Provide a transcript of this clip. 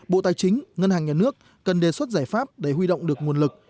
bộ tài chính ngân hàng nhà nước cần đề xuất giải pháp để huy động được nguồn lực